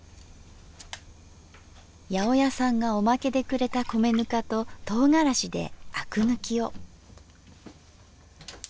八百屋さんがオマケでくれた米ぬかととうがらしであく抜きを。